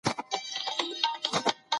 روغتونونه باید د درملو له کمښت سره مخ نه سي.